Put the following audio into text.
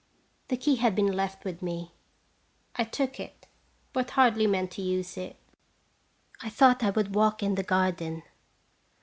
The key had been left with me. I took it, but hardly meant to use it. I thought I would walk in the garden.